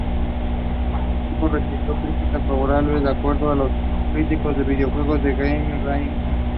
El juego recibió críticas "favorables" de acuerdo con los críticos de videojuegos en GameRankings.